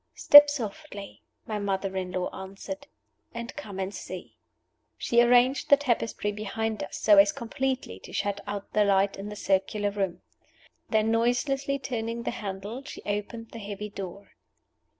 "Step softly," my mother in law answered, "and come and see." She arranged the tapestry behind us so as completely to shut out the light in the circular room. Then noiselessly turning the handle, she opened the heavy door.